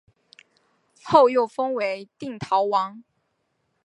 后又封为定陶王。